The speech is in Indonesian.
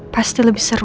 pasti lebih seru